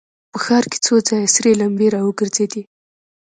په ښار کې څو ځایه سرې لمبې را وګرځېدې.